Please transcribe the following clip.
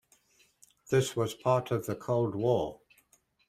This was part of the cold war!